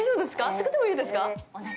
造ってもいいんですか。